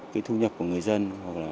cái thu nhập của người dân